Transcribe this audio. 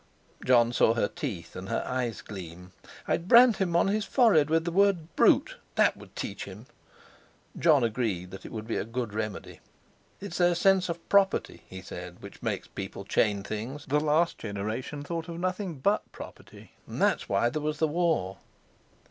Jon saw her teeth and her eyes gleam. "I'd brand him on his forehead with the word 'Brute'. that would teach him!" Jon agreed that it would be a good remedy. "It's their sense of property," he said, "which makes people chain things. The last generation thought of nothing but property; and that's why there was the War."